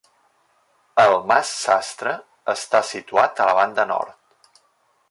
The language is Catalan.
El mas Sastre està situat a la banda nord.